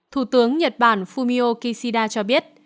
thủ tướng nhật bản fumio kishida cho biết